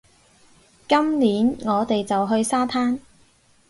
今年，我哋就去沙灘